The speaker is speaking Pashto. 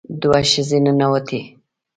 دوه ښځې ننوتې.